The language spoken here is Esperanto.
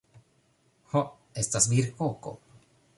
Ho, estas virkoko